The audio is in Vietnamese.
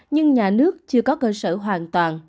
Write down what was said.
nhưng nhà nước chưa có cơ sở hoàn toàn